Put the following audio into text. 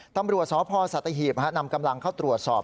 ตำรวจสพสัตหีบนำกำลังเข้าตรวจสอบ